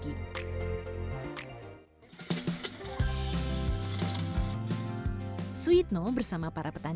suyitno bersama para petani lain pun turut membangun saluran irigasi yang bergantung pada sistem pengairan